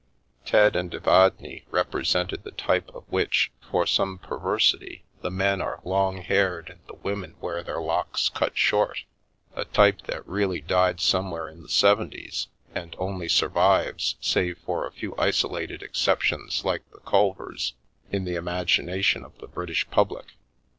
Ted and Evadne represented the type of which, for some perversity, the men are long haired and the women wear their locks cut short; a type that really died somewhere in the 'seventies, and only survives, save for a few isolated exceptions like the Culvers, in the imagination of the British public.